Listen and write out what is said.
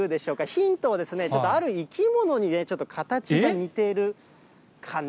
ヒントは、ちょっとある生き物にちょっと形が似てるかな？